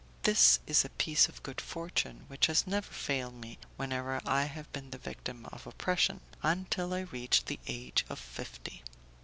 This is a piece of good fortune which has never failed me whenever I have been the victim of oppression, until I reached the age of fifty.